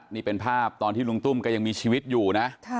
นี่เป็นภาพตอนที่ลุงตุ้มก็ยังมีชีวิตอยู่นะ